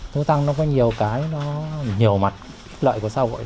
thu tăng nó có nhiều cái nó nhiều mặt lợi của xã hội